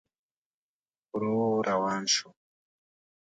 ورو روان شو.